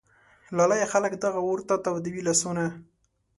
لالیه ! خلک دغه اور ته تودوي لاسونه